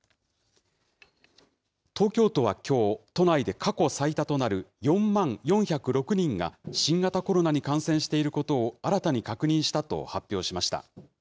東京都はきょう、都内で過去最多となる４万４０６人が新型コロナに感染していることを新たに確認したと発表しました。